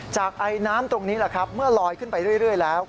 ไอน้ำตรงนี้แหละครับเมื่อลอยขึ้นไปเรื่อยแล้ว